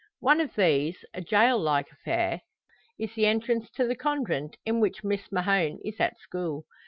One of these, a gaol like affair, is the entrance to the convent in which Miss Mahon is at school.